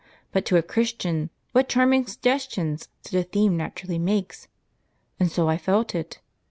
But to a Christian, what charming suggestions such a theme naturally makes! And so I felt it.